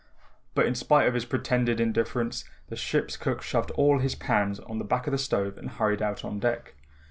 But in spite of his pretended indifference, the ship's cook shoved all his pans on the back of the stove and hurried out on deck.